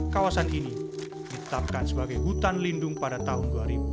kawasan ini ditetapkan sebagai hutan lindung pada tahun dua ribu